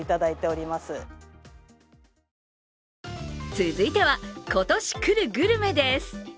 続いては、今年くるグルメです。